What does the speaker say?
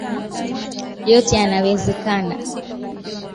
Yote yanawezekana .